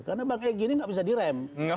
karena bank egy ini tidak bisa direm